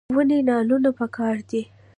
ونې نالول پکار دي